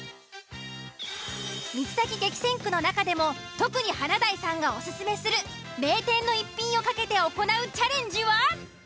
水炊き激戦区の中でも特に華大さんがオススメする名店の逸品を懸けて行うチャレンジは。